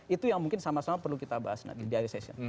itu yang mungkin sama sama perlu kita bahas nanti di hari sesion